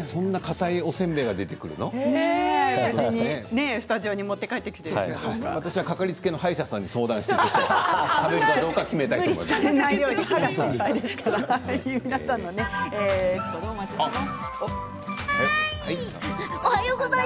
そんなかたいおせんべいがスタジオに持って帰って私は掛かりつけの歯医者さんで相談して食べるか決めたいと思います。